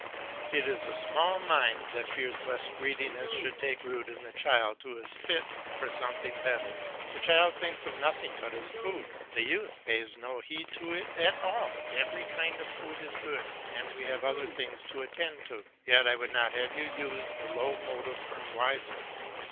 It is a small mind that fears lest greediness should take root in the child who is fit for something better. The child thinks of nothing but his food, the youth pays no heed to it at all; every kind of food is good, and we have other things to attend to. Yet I would not have you use the low motive unwisely.